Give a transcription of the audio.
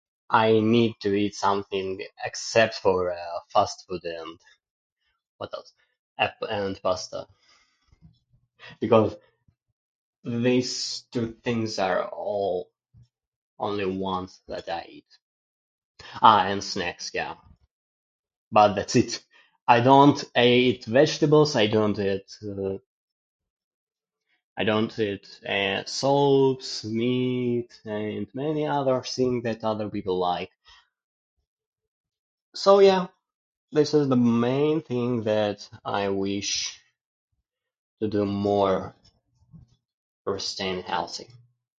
I need to eat something except for, uh, fast food and... what else? Ah, and pasta. Because these two things are all... only ones that I eat. Ah, and snacks, yeah. But that's it! I don't eat vegetables, I don't eat, uh, I don't eat soups, meat, and many other thing that other people like. So yeah, this is the main thing that I wish to do more for staying healthy.